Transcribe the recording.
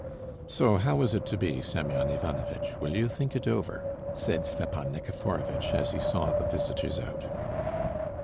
"So how is it to be, Semyon Ivanovitch? Will you think it over?" said Stepan Nikiforovitch, as he saw the visitors out.